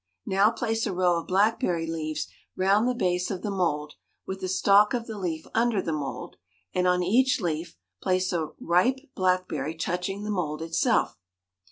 Now place a row of blackberry leaves round the base of the mould, with the stalk of the leaf under the mould, and on each leaf place a ripe blackberry touching the mould itself.